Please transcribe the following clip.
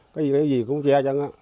cái gì cũng tre chắc